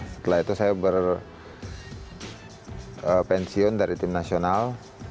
setelah itu saya berpensiun dari tim nasional